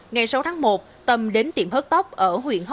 ngày sáu tháng một tâm đến tiệm hớt tóc ở huyện đức hòa